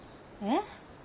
えっ？